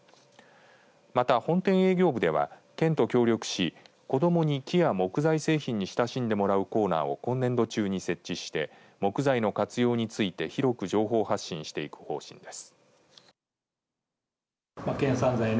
また、本店営業部では県と協力し子どもに木や木材製品に親しんでもらうコーナーを今年度中に設置して木材の活用について広く情報発信していく方針です。